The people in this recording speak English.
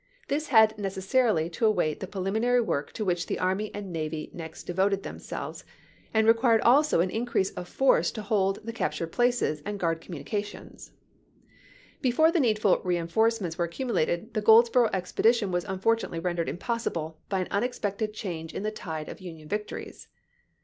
This had necessarily to await the preliminary work to which the army and navy next devoted them 248 ABRAHAM LINCOLN Chap. XIV. selves, and required also au iuerease of force to hold the captured places and guard communica tions. Before the needful reenforcements were accumulated the Goldsboro' expedition was unfor tunately rendered impossible by an unexpected change in the tide of Union victories.